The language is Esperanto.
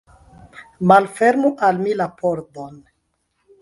Malfermu al mi la pordon!